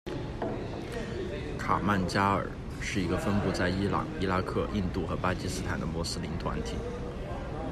卡曼加尔，是一个分布在伊朗、伊拉克、印度和巴基斯坦的穆斯林团体。